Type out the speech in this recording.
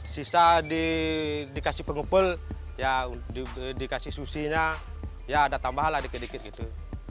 sisa dikasih pengepul dikasih sushi nya ya ada tambahan lah dikit dikit gitu